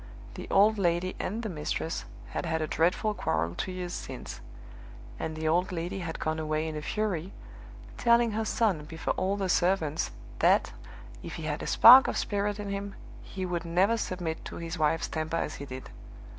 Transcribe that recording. The old lady and the mistress had had a dreadful quarrel two years since; and the old lady had gone away in a fury, telling her son, before all the servants, that, if he had a spark of spirit in him, he would never submit to his wife's temper as he did.